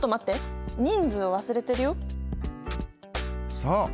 そう。